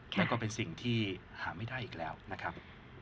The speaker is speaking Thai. แล้วก็เป็นสิ่งที่หาไม่ได้อีกแล้วนะครับ